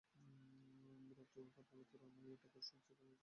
বিড়ালচক্ষু খর্বাকৃতি রমাই ঠাকুর সংকুচিত হইয়া পড়িল।